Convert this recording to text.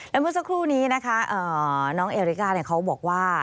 และเมื่อสักครู่นี้นะคะน้องเอริกาเขาบอกว่า